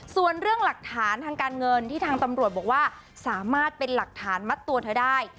ส่วนเรื่องหลักฐานทางการเงินที่ทางตำรวจบอกว่าสามารถเป็นหลักฐานมัดตัวเธอได้